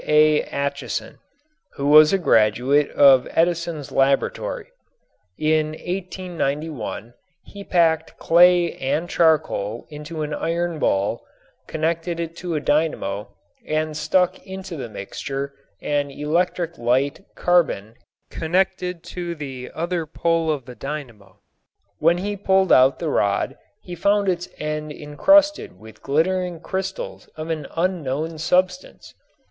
A. Acheson, who was a graduate of Edison's laboratory. In 1891 he packed clay and charcoal into an iron bowl, connected it to a dynamo and stuck into the mixture an electric light carbon connected to the other pole of the dynamo. When he pulled out the rod he found its end encrusted with glittering crystals of an unknown substance.